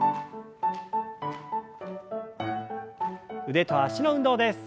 腕と脚の運動です。